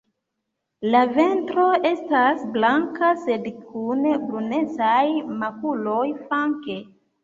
La ventro estas blanka sed kun brunecaj makuloj flanke.